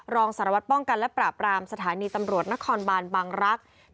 รองสารวัตรป้องกันและปราบรามสถานีตำรวจนครบานบางรักษ์